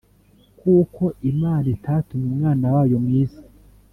kuko imana itatumye umwana wayo mu isi